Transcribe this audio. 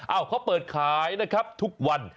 เอ้าเพราะเปิดขายนะครับทุกวัน